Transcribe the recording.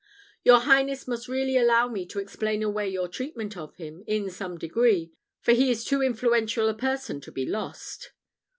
Your highness must really allow me to explain away your treatment of him, in some degree, for he is too influential a person to be lost."